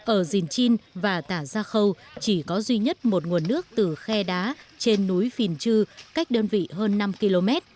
ở dìn chin và tả gia khâu chỉ có duy nhất một nguồn nước từ khe đá trên núi phìn chư cách đơn vị hơn năm km